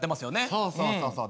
そうそうそうそう。